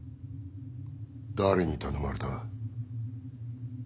誰に頼まれた？